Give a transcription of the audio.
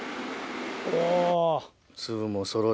お。